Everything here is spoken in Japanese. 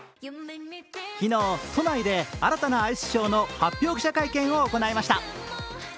昨日都内で新たなアイスショーの発表記者会見を行いました。